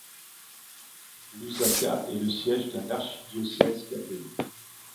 Lusaka est le siège d'un archidiocèse catholique.